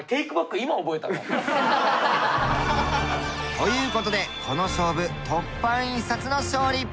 という事でこの勝負凸版印刷の勝利！